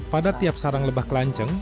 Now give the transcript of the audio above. pada tiap sarang lebah kelanceng